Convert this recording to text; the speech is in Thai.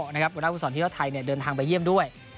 บริษัทธิพลศาสตร์ที่ช่วยไทยเดินทางไปเยี่ยมด้วย